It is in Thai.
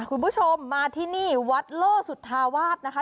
คุณผู้ชมมาที่นี่วัดโลสุธาวาสนะคะ